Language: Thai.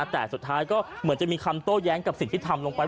แต่สุดท้ายก็เหมือนจะมีคำโต้แย้งกับสิ่งที่ทำลงไป